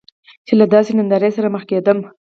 چې له داسې نندارې سره مخ کیدم.